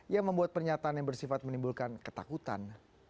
yang membuat pernyataan yang bersifat menimbulkan ketakutan